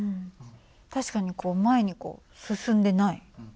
確かにこう前に進んでない。